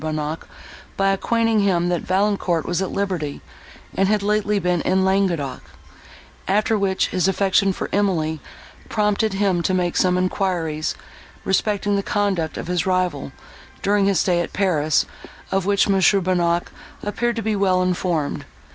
Bonnac by acquainting him, that Valancourt was at liberty, and had lately been in Languedoc; after which his affection for Emily prompted him to make some enquiries, respecting the conduct of his rival, during his stay at Paris, of which M. Bonnac appeared to be well informed.